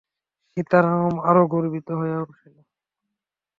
সীতারাম আরো গর্বিত হইয়া উঠিল।